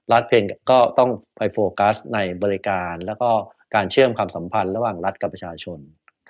เพียงก็ต้องไปโฟกัสในบริการแล้วก็การเชื่อมความสัมพันธ์ระหว่างรัฐกับประชาชน